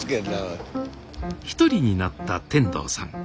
一人になった天童さん。